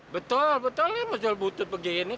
betul betul masalah butuh begini